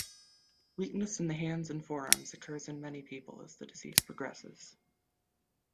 Weakness in the hands and forearms occurs in many people as the disease progresses.